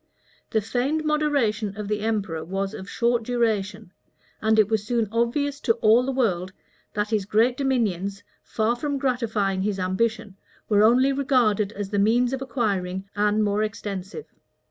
The feigned moderation of the emperor was of short duration; and it was soon obvious to all the world, that his great dominions, far from gratifying his ambition, were only regarded as the means of acquiring an more extensive.